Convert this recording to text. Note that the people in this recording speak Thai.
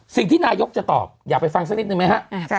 สิ่งที่นายกจะตอบอยากไปฟังสักนิดนึงไหมฮะ